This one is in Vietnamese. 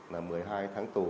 là một mươi hai tháng tù